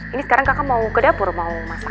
ini sekarang kakak mau ke dapur mau masak